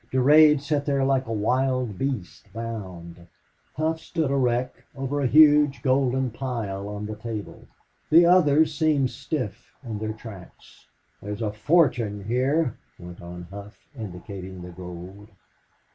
Durade sat there like a wild beast bound. Hough stood erect over a huge golden pile on the table. The others seemed stiff in their tracks. "There's a fortune here," went on Hough, indicating the gold.